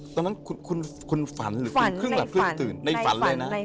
ตอนนั้นคุณฝันหรือเปลี่ยน